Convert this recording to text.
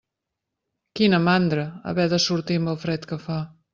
Quina mandra, haver de sortir amb el fred que fa.